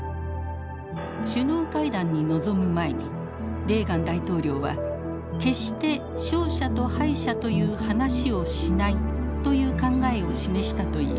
首脳会談に臨む前にレーガン大統領は決して勝者と敗者という話をしないという考えを示したといいます。